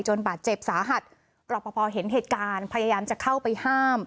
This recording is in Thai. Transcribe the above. บาดเจ็บสาหัสรอปภเห็นเหตุการณ์พยายามจะเข้าไปห้าม